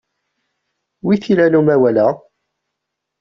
Wi t-ilan umawal-a?